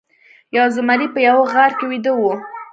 یو زمری په یوه غار کې ویده و.